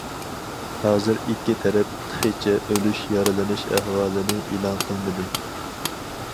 ھازىر ئىككى تەرەپ تېخىچە ئۆلۈش يارىلىنىش ئەھۋالىنى ئېلان قىلمىدى.